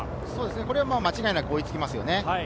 これはもう間違いなく追いつきますね。